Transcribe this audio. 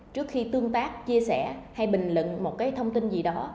trước khi tương tác chia sẻ hay bình luận một cái thông tin gì đó